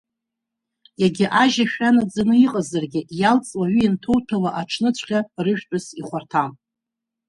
Егьа ажь ашәра наӡаны иҟазаргьы, иалҵуа аҩы ианҭауҭәауа аҽныҵәҟьа рыжәтәыс ихәарҭам.